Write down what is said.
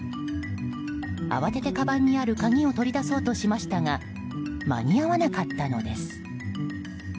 慌てて、かばんにある鍵を取り出そうとしましたが間に合わなかったのです。